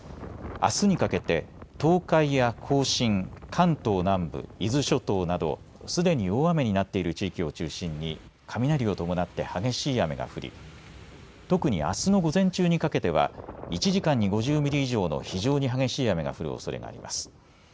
あすにかけて東海や甲信関東南部、伊豆諸島などすでに大雨になっている地域を中心に雷を伴って激しい雨が降り特にあすの午前中にかけては１時間に５０ミリ以上の非常に激しい雨が降るおそれがあります。